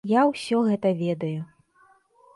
Я ўсё гэта ведаю.